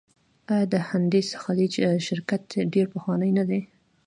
آیا د هډسن خلیج شرکت ډیر پخوانی نه دی؟